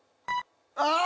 ⁉あ